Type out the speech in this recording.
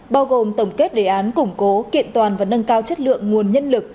bao gồm tổng kết đề án củng cố kiện toàn và nâng cao chất lượng nguồn nhân lực